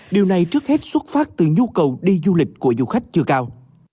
điều này trước hết xuất phát từ nhu cầu đi du lịch của du khách chưa cao